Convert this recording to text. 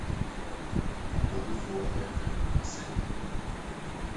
Abɔnefoɔ retɛ me asɛe me.